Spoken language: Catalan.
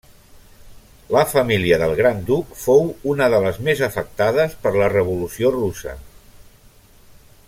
La família del gran duc fou una de les més afectades per la Revolució Russa.